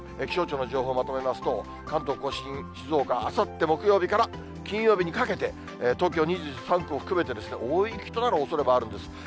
気象庁の情報まとめますと、関東甲信、静岡、あさって木曜日から金曜日にかけて、東京２３区も含めて、大雪となるおそれもあるんです。